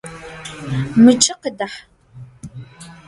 Mıç'e khıdah!